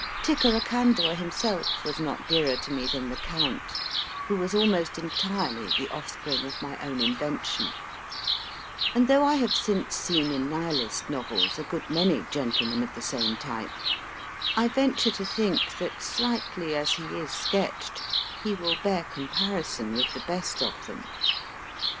Tickeracandua himself was not dearer to me than the Count, who was almost entirely the offspring of my own in vention ; and though I have since seen in Nihilist novels a good many gentle men of the same type, I venture to think that, slightly as he is sketched, he will bear comparison with the best of them.